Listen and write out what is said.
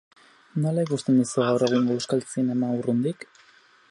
Nola ikusten duzu gaur egungo euskal zinema urrundik?